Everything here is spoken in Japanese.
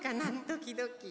ドキドキ。